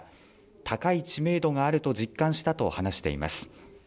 高い知名度があると実感したと話しています。